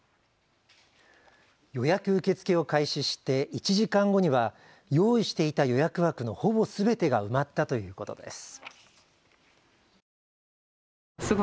予約受け付けを開始して１時間後には用意していた予約枠のほぼすべてが埋まったということです。